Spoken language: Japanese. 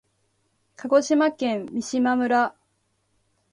鹿児島県三島村